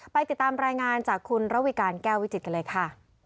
ไปติดตามรายงานจากคุณระวิการแก้ววิจิตกันเลยค่ะ